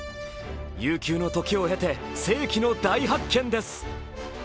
悠久の時を経て世紀の大発見です。